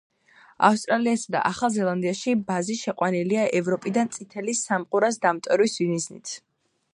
ავსტრალიასა და ახალ ზელანდიაში ბაზი შეყვანილია ევროპიდან წითელი სამყურას დამტვერვის მიზნით.